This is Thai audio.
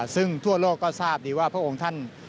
ซึ่งทั่วโลกก็ทราบดีว่าพระองค์ท่าน